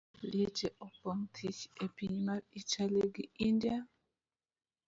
Liete opong' thich e piny mar Italy gi India.